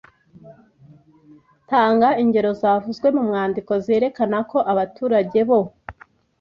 Tanga ingero zavuzwe mu mwandiko zerekana ko abaturage bo